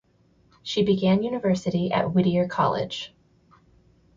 She began university at Whittier College.